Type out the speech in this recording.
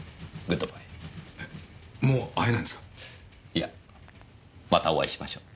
いやまたお会いしましょう。